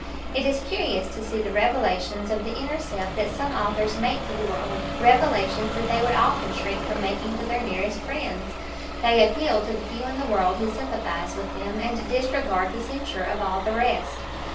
It is curious to see the revelations of the inner self that some authors make to the world revelations that they would often shrink from making to their nearest friends. They appeal to the few in the world who sympathise with them, and disregard the censure of all the rest.